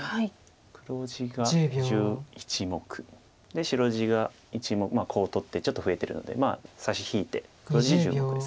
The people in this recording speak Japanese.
黒地が１１目で白地がコウを取ってちょっと増えてるので差し引いて黒地で１０目です。